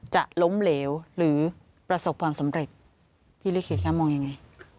จะล้มเหลวหรือประสบความสำเร็จพี่ลิขิตคะมองยังไง